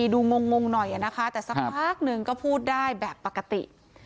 งงหน่อยนะคะแต่สักพักหนึ่งก็พูดได้แบบปกติ